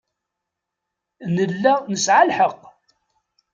Nella nesɛa lḥeqq.